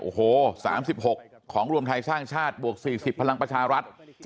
โอ้โห๓๖ของรวมไทยสร้างชาติบวก๔๐พลังประชารัฐ